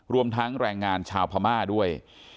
รวมทั้งแรงงานชาวพม่าด้วย